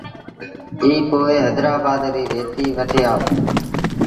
ائيٚݩ پو هيدرآبآد ريٚ ريتيٚ وٺي آئو۔